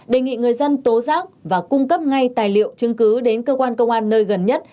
đề nghị người dân tố giác và cung cấp ngay tài liệu chứng cứ đến cơ quan công an nơi gần nhất